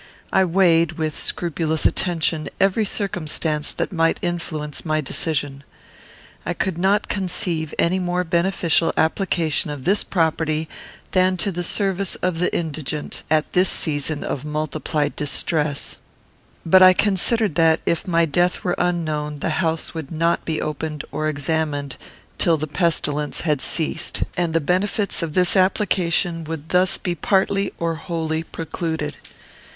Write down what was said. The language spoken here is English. I weighed, with scrupulous attention, every circumstance that might influence my decision. I could not conceive any more beneficial application of this property than to the service of the indigent, at this season of multiplied distress; but I considered that, if my death were unknown, the house would not be opened or examined till the pestilence had ceased, and the benefits of this application would thus be partly or wholly precluded.